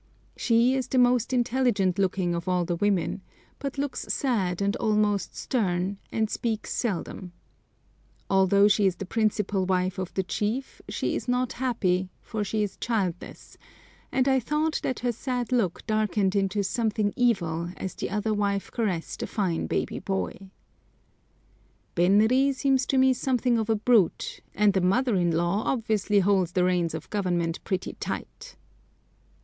She is the most intelligent looking of all the women, but looks sad and almost stern, and speaks seldom. Although she is the principal wife of the chief she is not happy, for she is childless, and I thought that her sad look darkened into something evil as the other wife caressed a fine baby boy. Benri seems to me something of a brute, and the mother in law obviously holds the reins of government pretty tight.